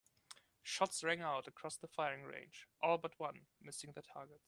Shots rang out across the firing range, all but one missing their targets.